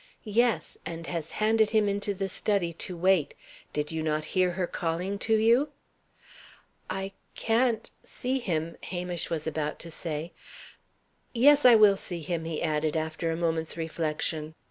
"Yes; and has handed him into the study, to wait. Did you not hear her calling to you?" "I can't see him," Hamish was about to say. "Yes, I will see him," he added after a moment's reflection.